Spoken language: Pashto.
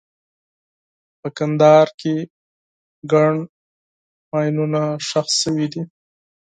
په کندهار کې ګڼ ماینونه ښخ شوي دي.